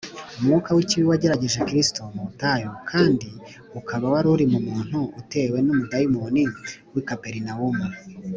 umwuka w’ikibi wageragereje kristo mu butayu kandi ukaba wari uri mu muntu utewe n’umudayimoni w’i kaperinawumu